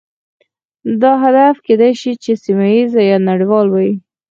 دا هدف کیدای شي سیمه ایز یا نړیوال وي